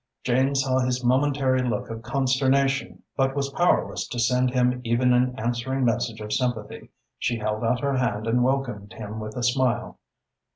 Jane saw his momentary look of consternation, but was powerless to send him even an answering message of sympathy. She held out her hand and welcomed him with a smile.